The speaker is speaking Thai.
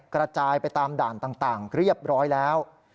กระจายไปตามด่านต่างเรียบร้อยแล้ว